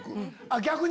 逆に！